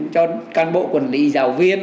cho can bộ quản lý giáo viên